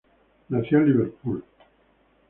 Nació en Liverpool.